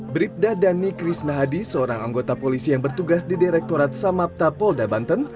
bribda dhani krisnahadi seorang anggota polisi yang bertugas di direktorat samapta polda banten